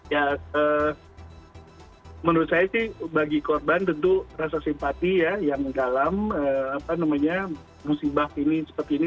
ya menurut saya sih bagi korban tentu rasa simpati ya yang dalam musibah ini seperti ini